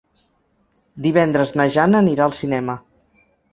Divendres na Jana anirà al cinema.